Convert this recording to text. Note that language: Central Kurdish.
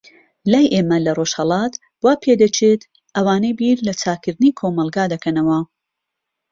لای ئێمە لە ڕۆژهەلات، وا پێدەچێت ئەوانەی بیر لە چاکردنی کۆمەلگا دەکەنەوە.